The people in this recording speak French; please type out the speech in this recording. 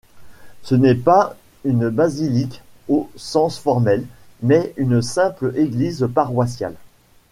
Ce n'est pas une basilique au sens formel, mais une simple église paroissiale.